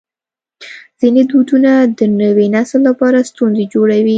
ځینې دودونه د نوي نسل لپاره ستونزې جوړوي.